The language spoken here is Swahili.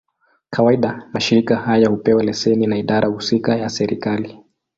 Kawaida, mashirika haya hupewa leseni na idara husika ya serikali.